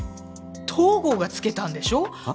東郷がつけたんでしょはあ？